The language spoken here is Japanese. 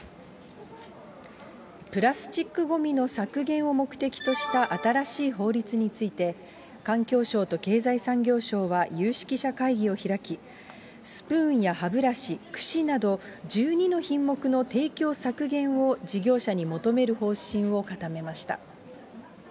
プラスチックごみの削減を目的とした新しい法律について、環境省と経済産業省は有識者会議を開き、スプーンや歯ブラシ、くしなど、１２の品目の提供削減を事業者に求める方針を固めました。